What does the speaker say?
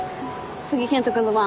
次健人君の番。